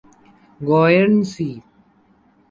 Guernsey